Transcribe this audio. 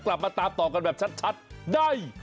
กลับมาตามต่อกันแบบชัดได้